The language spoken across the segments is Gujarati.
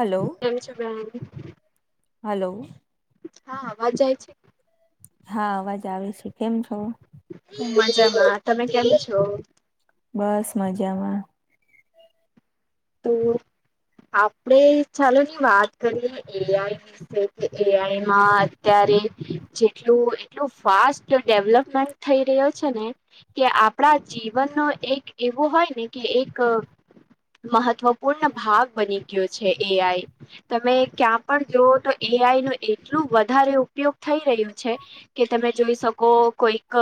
હલો કેમ છો બેન? હલો હા અવાજ જાય છે હા અવાજ આવે સે કેમ છો! મજામાં તમે કેમ છો? બસ મજામાં. તો આપડે ચાલો ની વાત કરીએ અ આઈ ની. એ આઈ માં અત્યારે જેટલું એટલું ફાસ્ટ ડેવલપમેન્ટ- થઈ રહ્યો છે ને કે આપણા જીવન ન એક એવું હોય ને કે એક- મહત્વપૂર્ણ ભાગ બની ગયો છે એ આઈ. તમે ક્યાં પણ જોવો તો એ આઈ નું એટલું વધારે ઉપયોગ થઈ રહ્યું છે- કે તમે જોઈ શકો કોઈક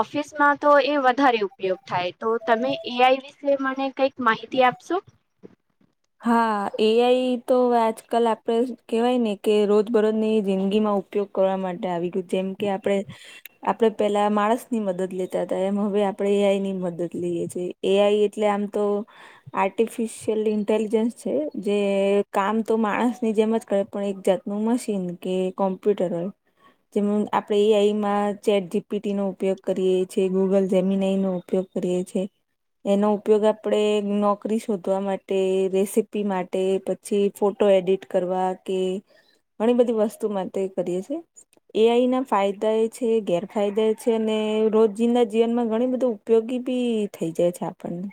ઓફિસમાં તો એ વધારે - ઉપયોગ થાય તો તમે એઆઈ વિશે મને કઈક માહિતી આપશો? હા એઆઈ તો આજકાલ આપણે કહેવાય ને કે રોજ બરોજ ની જિંદગીમાં ઉપ- ઉપયોગ કરવા માટે આવી ગયું જેમ કે આપડે- આપડે પેલા માણસ ની મદદ લેતા હતા એમ હવે આપડે એની મદદ લઈએ છીએ. એ આઈ એટલે આમ તો આર્ટિફિશિયલઈ - ઇન્ટેલિજન્સ છે જે કામ તો માણસની જેમ જ કરે પણ એક જાતનું મશીન કે- કોમપ્યુટરલ. જેમ આપણે એ આઈમાં ચેટ જીપીટી નો ઉપયોગ કરીએ છીએ ગૂગલ જેમીન આઈ નો ઉપયોગ- એનો ઉપયોગ આપણે નોકરી શોધવા માટે- રેસીપી માટે પછી ફોટો એડિટ કરવા કે ઘણી બધી વસ્તુ માટે કરીએ છ છે એઆઈ ના ફાયદા એ છે ગેરફાયદા એ છે અને રોજિંદા જીવનમાં ઘણી બધું ઉપયોગી બી થઈ જાય છે આપણને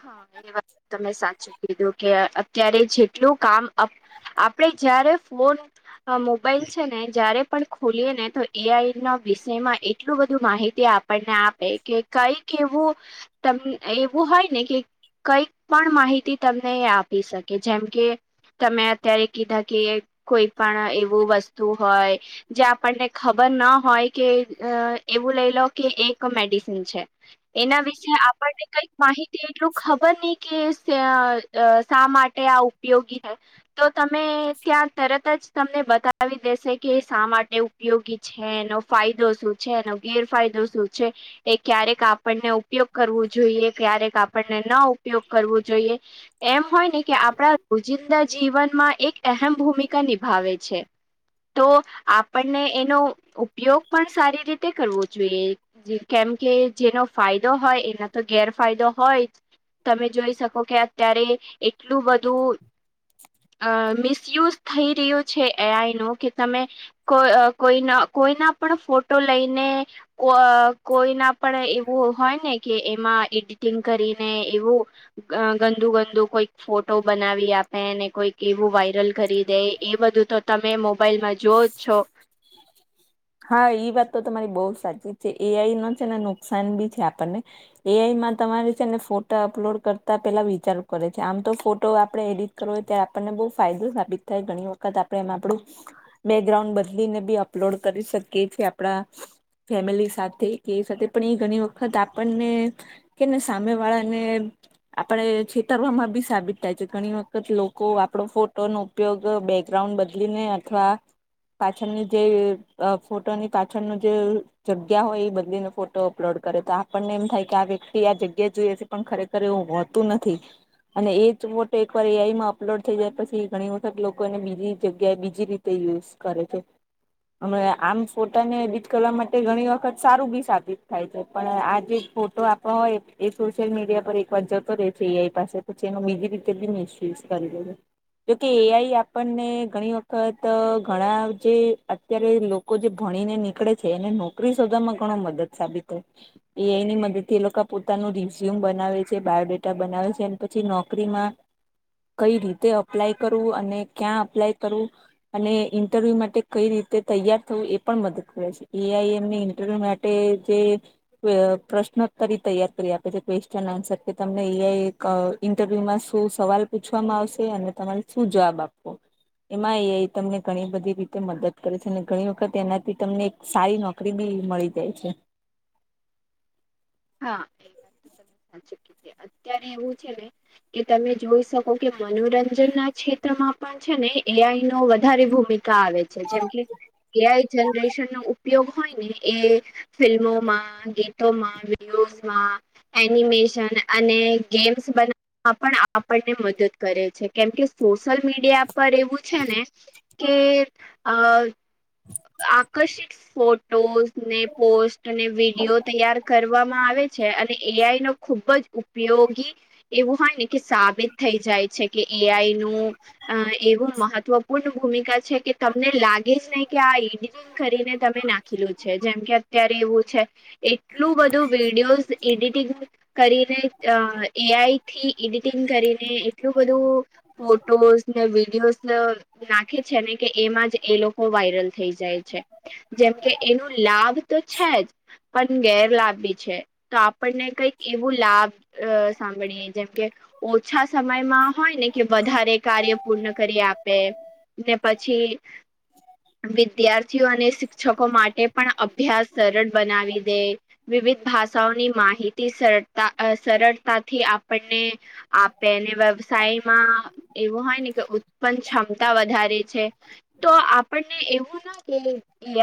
હ એ વાત તમે સાચું કીધું કે અત્યારે જેટલું કામ આપડે જયારે ફોન મોબાઈલ છે ને જયારે પણ ખોલીએ ને તો એઆઈ ના વિષયમાં એટલું બધું માહિતી આપે આપણને આપે કે કઈક એવું એવું હોય ને કે કઈક પણ માહિતી તમને આપી શકે જેમ કે તમે અત્યારે કીધા કે કોઈ પણ એવું વસ્તુ હોય જે આપણને ખબર ના હોય કે એવું લઈ લો કે એક મેડિસિન છે એના વિશે આપણને કઈક માહિત તે એટલું ખબર નહ કે શા માટે આ ઉપયોગી હૈ તો તમે ત્યાં તરત જ તમને બતાવી દેસે કે શા માટે ઉપયોગી છે છે એનો ફાયદો શું છે એનો ગેરફાયદો શું છે એ ક્યારેક આપણને ઉપયોગ કરવો જોઈએ ક્યારેક આપણને ન ઉપયોગ કરવો જોઈએ એમ હોય ને કે આપણા રોજિંદા જીવનમાં એક અહેમ ભૂમિકા નિભાવે છે તો આપણને એનો ઉપયોગ પણ સારી રીતે કરવો જોઈએ જી કેમકે જેનો ફાયદો હોય એના તો ગેરફાયદો હોય તમે જોઈ શકો કે અત્યારે એટલું બું અ મિસયુઝ થઈ રહ્યો છે એઆઈ ન કે તમે કો કોઈના કોઈના પણ ફોટો લઈને કોઈના પણ એવું હોય ને કે એમાં એડિટિંગ કરી અનેને એવું ગંદુ ગંદુ કોઈક ફોટો બનાવી આપે ને કોઈક એવું વાયરલ કરી દે એ બધું તો તમે મોબાઈલમાં જોઓ જ છો હા ઈ વાત તો તમારી બહુ સાચી છે એઆઈ ન છે ને નુકસાન બી છે આપણને એઆઈમાં તમારે છે ને ફોટા અપલોડ કરતા પેલા વિચારું કરે છે આમ તો ફોટો આપડણે એડિટ કર હોય ત્યારે આપણને બહુ ફાયદો સાબિત થાય ઘણી વખત આપડણે એમાં આપડું બેકગ્રાઉન્ડ બદલીને બી અપલોડ કરી શકીએ છીએ આપડા ફેમિલી સાથે કે સાથે પણ એ ઘણી વખત આપણને કેને સામે વાળા ને આપણે છેતરવામાં બી સાબિત થાય છે ઘણી વખત લોકો આપડો ફોટો નો ઉપયોગ બેકગ્રાઉન્ડ બદલીને અથવા પાછળની જે અ ફોટોની પાછળનું જે જગ્યા હોય એ બદલીનો ફોટો અપલોડ કરે તો આપણને એમ થાય કે આ વ્યક્તિ આ જગ્યા જોઈએ છે. પણ ખરેખર એવું હોતું નથી. અને એ જ ફોટો એકવાર એઆઈ માં અપલોડ થઈ જાય પછી ઘણી વખત લોકો એને બીજી જગ્યાએ બીજી રીતે તે યુઝ કરે છે. હમણા આમ ફોટાને એડિટ કરવા માટે ઘણી વખત સારું બી સાબિત થાય છે પણ આ જે ફોટો હ એ સોશિયલ મીડિયા પર એક વાત જતો રહેે છે એઈ પાસે પછી એનો બીજી રીતે બી મિસયુઝ કરી દે છે. જોકે એ આઈ આપણને ઘણી વખત ઘણા જે અત્યારે લોકો જે ભણીને નીકળે છે એને નોકરી શોધામાં ઘણો મદદ સાબિત હોય એઆઈ ની મદદથી એ લોકો પોતાનું રિઝ્યુમ બનાવે છે બાયોડેટા બનાવે છે અને પછી નોકરીમાં કઈ રીતે અપ્લાય કરવું અને ક્યાં અપ્લાય કરવું અને ઇન્ટરવ્યુ માટે કઈ રીતે તૈયાર થવું એ પણ મદદ કરે છે એઆઈ એમને ઇન્ટરવ્યુ માટે જે કે પ્રશ્નોત્તરી તૈયાર કરી આપે છે ક્વેશ્ચન આન્સર કે તમને એઆઈ એક ઇન્ટરવ્યુમાં શું સવાલ પૂછવામાં આવશે અને તમારે શું જવાબ આપવો એમાં એ આઈ તમને ઘણી બધી રીતે મદદ ઘણી વખત એનાથી તમને એક સારી નોકરી બી મળી જાય છે. હા એ વાત તો તમે સાચી કીધી અત્યારે એવું છે ને. કે તમે જોઈ શકો કે મનોરંજનના ક્ષેત્રમાં પણ છે ને એઆઈ નો વધારે ભૂમિ કા આવે છે જેમ કે એઆઈ જનરેશનનો ઉ ઉપયોગ હોય ને એ ફિલ્મોમાં, ગીતોમાં, વિડીયોઝમાં એનિમેશન અને ગેમ્સ બના હા પણ આપણને મદદ કરે છે કેમ કે સોશિયલ મીડિયા પર એવું છે ને કે અ [inaudible] આકર્ષિત ફોટોઝ આ ને પોસ્ટને વિડીયો તૈયાર કરવામાં આવે છે અને એઆઈનો ખુબ જ ઉપયોગી એવું હોય ને કે સાબિત થઈ જાય છે કે એ આઈનું અ એવું મહત્વપૂર્ણ ભૂમિકા છેકે તમને લાગે જ નઈ કે આ ડિઝાઇન કરીને તમે નાખેલું છે જેમ કે અત્યારે એવું છે એટલું બધું વિડીયોઝ એડિટિંગ કરીને અ એઆઈથી એડિટિંગ કરીને એટલું બધું. ફોટોસને વિડીિયોઝ નાખે છે ને કે એમાં જ એ લોકો વાય વાઈરલ થઈ જાય છે જેમ કે એનો લાભ તો છે જ પણ ગેરલાભ ભી છે. તો આપણને કઈક એવું લાભ સાંભળીએ જેમ કે ઓછા સમયમાં હોય ને કે વધારે કાર્ય પૂર્ણ કરી આપે. ને પછી વિદ્યાર્થીઓ અને શિક્ષકો માટે પણ અભ્યાસ સરળ બનાવી દે. વિવિધ ભાષાઓની માહિતી સરળતા અ સરળતાથી આપણને આ તેને વ્યવસાયમાં એવું હોય ને કે ઉત્પન્ન ક્ષમતા વધારે છે. તો આપણને એવું ન કે એ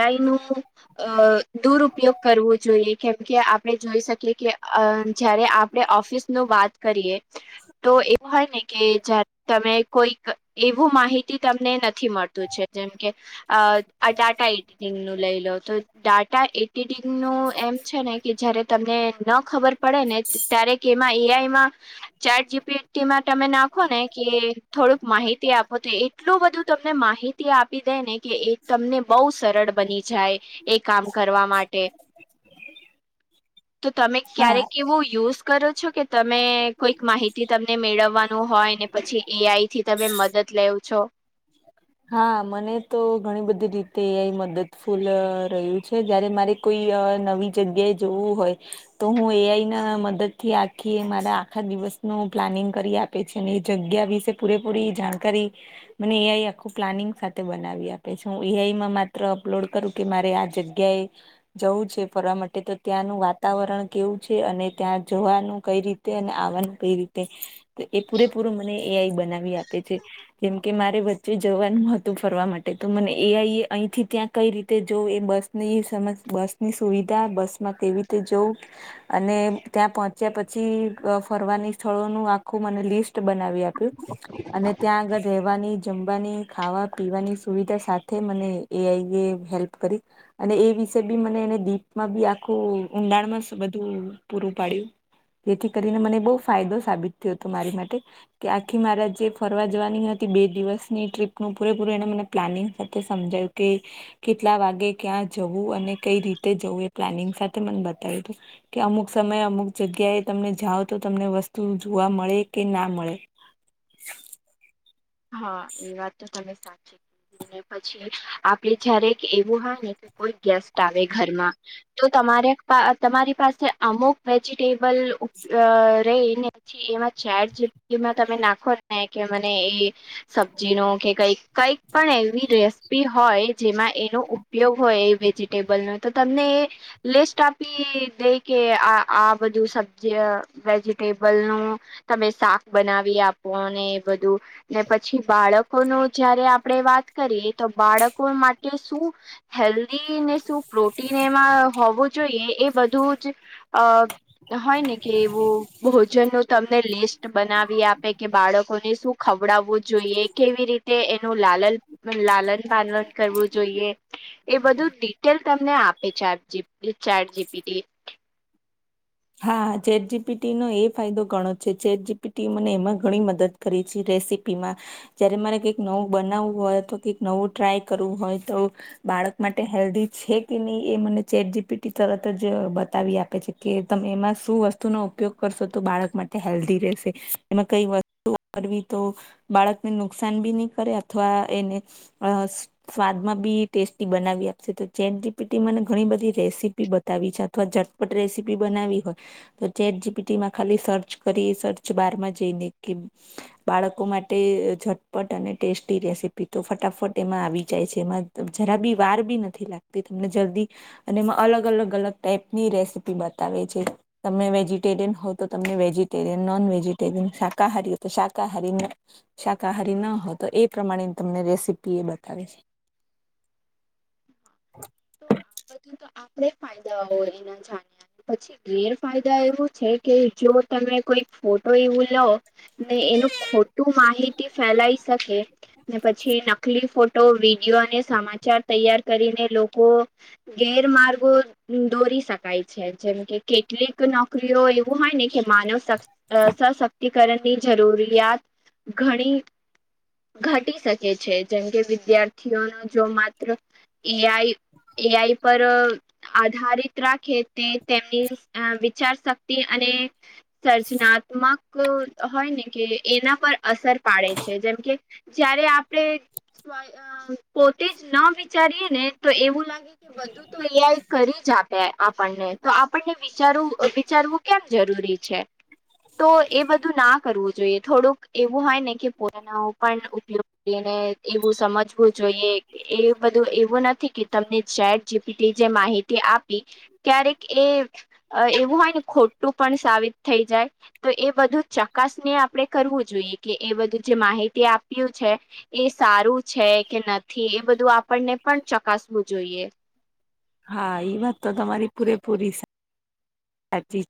આઈનું. અ દુરઉપયોગ કરવો જોઈએ કેમકે આપણે જોઈ શકીએ કે અ જ્યારે આ કે ઓફિસનું વાત કરીએ તો એવું હોય ને કે જયારે તમે કોઈક એવું માહિતી તમને નથી મળતું છે જેમ કે આ અ ડાટા એડિટિંગનું લઈ લો તો ડાટા એડિટિંગનું એમ છેને કે જયારે તમને ન ખબર પડે ને ત્યારે કે એમાં એ આઈ માં ચેટ જી પી ટી માં તમે નાખોને કે થોડુંક માહિતી આપો તો એ એટલું બધું તમને માહિતી આપી તેને કે એ તમને બોઉ સરળ બની જાય એ કામ કરવા માટે. [inaudible] તો તમે હા ક્યારેક એવો યુઝ કરો છો કે તમે કોઈક માહિતી તમને મેળવવાનું હોય ને પછી એ આઈ થી તમે મદદ લેવ છો. હા મને તો ઘણી બધી રીતે એ આઈ મદદ ફૂલ રહ્યું છે જયારે મારે કોઈ અ નવી જગ્યાએ જવું હોય તો હું એ આઈ ના મદદથી આખી મારા આખા દિવસનુ પ્લાનિંગ કરી આપ તે છે ને એ જગ્યા વિશે પૂરે પૂરી જાણકારી મને એ આઈ આ આખુ પ્લાનિંગ સાથે બનાવી આપે છે હું એ આઈ માં માત્ર અપલોડ કરું કે મારે આ જગ્યાએ જવું છે ફરવા માટે તો ત્યાંનું વાતાવરણ કેવું છે અને ત્યાં જવાનું કઈ રીત તેને આવાનું કઈ રીતે એ પૂરેપૂરું મને એ આઈ બનાવી આપે છે. કેમ કે મારે વા જે જવાનું હતું ફરવા માટે તો મને એ આઈ એ અહીંથી ત્યાં કઈ રીતે જવું એ બસની સમજ બસ ની સુવિધા બસમાં કેવી રીતે જવું અને ત્યાં પહોચ્યા પછી ફરવાની સ્થળોનું આખું મને લિસ્ટ બનાવી આપ્યું. અને ત્યાં આગળ રેહવાની જમવાની ખાવા પીવાની સુવિધા સાથે મને એ આઈ એ હેલ્પ કરી. અને એ વિશે બી મને એને ડીપમાં બી આખું ઊંડાણમાં બધું પૂરું પાડ્યું. જેથી કરીને મને બહુ ફાયદો સાબિત થયો હતો મારી માટે. કે આખી મારા જેે ફરવા જવાની હતી બે દિવસ ની ટ્રિપનું પૂરે પૂરે એને મને પ્લાનિંગસ સાથે સમજાયુ કે કેટલા વાગે ક્યાં જવું અને કઈ રીતે જવું એ પ્લાનિંગ સાથે મને બતાવ્યું હતુ. કે અમુક સમયે અમુક જગ્યાએ તમને જાઓ તો તમને વસ્તુ જોવા મળે કે ના મળે. હા એ વાત તો તમે સાચી ને પછી આપડે જયારે એવું હોય ને કોઈ ગેસ્ટ આવે ઘરમાં જો તમારે તમારી પાસે અમુક વેજીિટેબલ આ રય એને પછી એમાં ચેટ જી પી ટી માં તમે નાખો ને કે મને એ સબજી નો કે કંઈક કંઈક પણ એવી રેસ સીપી હોય જેમાં એનો ઉપયોગ હોય એ વેજીિટેબલ નો તો તમને એ લિસ્ટ આપી દઈ કે આ આ બધું સબ્જી વેજીિટેબલ નું તમે શાક બનાવી આપો અને એ બધું ને પછી બાળકોનું જયારે આપણે વાત કરીએ તો બાળકો માટે શું હેલ્ધી ને શું પ્રોટીન એમાં હોવું જોઈએ એ બધું જ આ હોય ને કે એવું ભોજન નું તમને લિસ્ટ બનાવી આપે કે બાળકોને શું ખવ ડાવવું જોઈએ કેવી રીતે એનું લાલન લાલન પાનન કરવું જોઈએ એ બધું ડિટેલ તમને આપ એ chat G P T chat G P T. હા ચેટ જી પી ટી નો એ ફાયદો ઘણો છે ચેટ જી પી ટી મને એમાં ઘણી મદદ કરે છે રેસીપી માં. જયારે મારે કઈક નવું બનાવવું હોય અથવા કઈક નવું ટ્રાય કરવું હોય તો બાળક માટે હેલ્ધી છે કે નહિં એ મને ચેટ જી પી ટી તરત જ બતાવી આપે છે કે તમે એમાં શું વસ્તુનો ઉપયોગ કરશો તો બાળક માટે હેલ્ધી રહેશે એમાં કઈ વસ્તુ કરવી તો બાળકને નુકસાન બી નહી કરે અથવા એને આ સ સ્વાદમાં બી ટેસ્ટી બનાવી આપશે તો ચેટ જી પી ટી મને ઘણી બધી રેસીપી બ તાવી છે અથવા ઝટપટ રેસીપી બનાવી હોય તો ચેટ જીપીટીમાં ખાલી સર્ચ કરી સર્ચ બારમાં જઈને કે બાળકો માટે ઝટપટ અને ટેસ્ટી રેસીપી તો ફટાફટ એમાં આવી જાય છે એમાં જરા બી વાર બી નથી લાગતી તમને જલ્દી અને એમાં અલગ અલગ અલગ ટાઈપની રેસીપી બતાવે છે. તમે વેજીટેરિયન હોવ તો તમને વેજીટેરિયન નોન વેજીિટેરિયન શાકાહારી તો શાકાહારી શાકાહારી ન હો તો એ પ્રમાણે તમને રેસીપી એ બતાવે છે. તો આ બધું તો આપણેે ફાયદા હોય એના જાણ્યા પછી ગેરફાયદા એવું છે કે જો તમે કોઈક ફોટો એવું લો ને એનું ખોટું માહિતી ફેલાઈ શકે ને પછી નકલી ફોટો તો વિડીયો અને સમાચાર તૈયાર કરીને લોકો ગેરમાર્ગો દોરી શકાય છે જેમ કે કેટલીક નોકરીઓ એવું હોય ને કે માનવ શ સશક્તિકરણની જરૂરિયાત ઘણી ઘટી શકે છે જેમ કે વિદ્યાર્થીઓનો જો માત્ર એઆઈ એઆઈ પર આધારિત રાખે તે તેમની વિચાર શક્તિ અને સર્જનાત્મક હોય ને કે એના પર અસર પાડે છે જેમ કે જયારે આપણે પોતે જ ન વિચારીએ ને તો એવું લાગે કે બધું તો એઆઈ કરી જ આપે આપણને તો આપણને વિચારવું વિચારવું કેમ જરૂરી છે તો એ બધું ના કર વુ જોઈએ થોડુંક એવું હોય ને કે પોતાનો પણ ઉપયોગ કરીને એવું સમજવું જોઈએ. એ બધું એવું નથી કે તમને શહેદ જીપી જે માહિતી આપી ક્યારેક એ અ એવું હોય ને ખોટું પણ સાબિત થઈ જાય. તો એ બધું ચોક્કાસને આપણે કરવું જોઈએ કે એ બધું જે માહિતી આપ્યું છે. એ સારું છે કે નથી એ બધું આપણને પણ ચકાસવું જોઈએ. હા ઈ વાત તો તમારી પૂરેપૂરી સાચી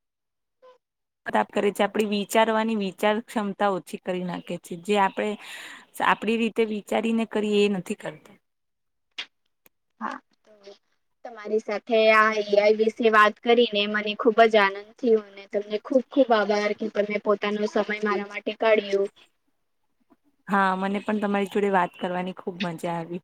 ખબ કરે છે આપણે વિચારવાની વિચાર ક્ષમતા ઓછી કરી નાખે છે જે આપણે આપડી રીતે વિચારી ને કરી એ નથી કરતો. હા તમારી સાથે આ એઆઈ વિશે વાત કરીને મને ખુબ જ આનંદ થયો. તમને ખુબ ખુબ આભાર કે પણ મેં પોતાનો સમય મારા માટે કાઢ્યો હા મને પણ તમારી જોડે વાત કરવાની ખુબ મજા આવી.